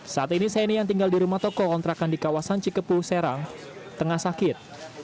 saat ini saini yang tinggal di rumah toko kontrakan di kawasan cikepuh serang tengah sakit